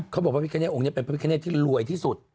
เขาบอกว่าพระพิกเกณฑ์องค์นี้เป็นพระพิกเกณฑ์ที่รวยที่สุด